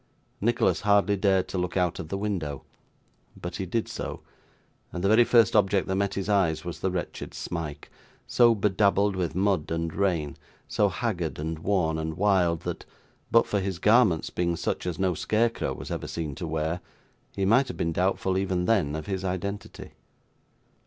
Nicholas hardly dared to look out of the window; but he did so, and the very first object that met his eyes was the wretched Smike: so bedabbled with mud and rain, so haggard and worn, and wild, that, but for his garments being such as no scarecrow was ever seen to wear, he might have been doubtful, even then, of his identity.